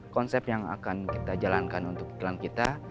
konsep yang akan kita jalankan untuk iklan kita